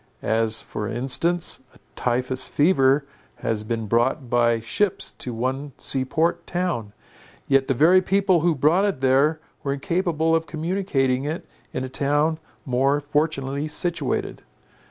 As for instance, a typhus fever has been brought by ships to one sea port town; yet the very people who brought it there, were incapable of communicating it in a town more fortunately situated.